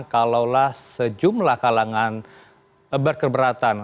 kalaulah sejumlah kalangan berkeberatan